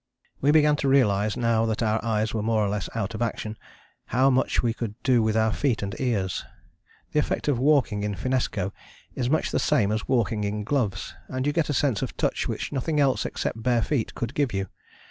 We began to realize, now that our eyes were more or less out of action, how much we could do with our feet and ears. The effect of walking in finnesko is much the same as walking in gloves, and you get a sense of touch which nothing else except bare feet could give you.